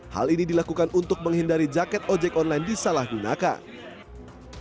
hal ini dilakukan untuk menghindari jaket ojek online disalahgunakan